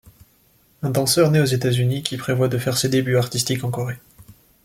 Un danseur né aux États-Unis qui prévoit de faire ses débuts artistique en Corée.